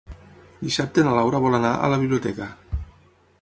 Dissabte na Laura vol anar a la biblioteca.